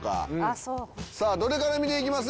さあどれから見ていきます？